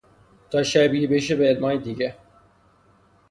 تا شبیه بشه به علمهای دیگه